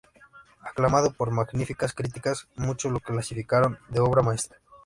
Aclamado con magníficas críticas, muchos lo calificaron de obra maestra.